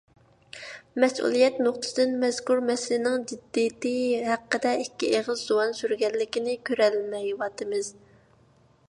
مەسئۇلىيەت نۇقتىسىدىن مەزكۇر مەسىلىنىڭ جىددىيىتى ھەققىدە ئىككى ئېغىز زۇۋان سۈرگەنلىكىنى كۆرەلمەيۋاتىمىز.